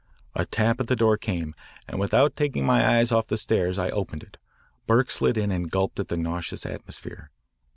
A tap at the door came, and without taking my eyes off the stairs I opened it. Burke slid in and gulped at the nauseous atmosphere.